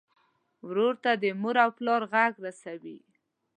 ورور ته د مور او پلار غږ رسوې.